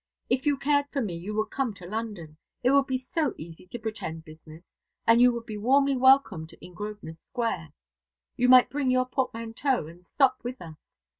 If you cared for me you would come to London. It would be so easy to pretend business, and you would be warmly welcomed in Grosvenor Square. You might bring your portmanteau and stop with us.